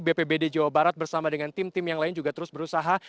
bpbd jawa barat bersama dengan tim tim yang lain juga terus berusaha